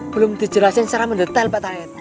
belum dijelasin secara mendetail pak terakhir